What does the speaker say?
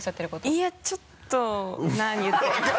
いやちょっと何言ってるか。